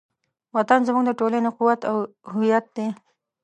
وطن زموږ د ټولنې قوت او هویت دی.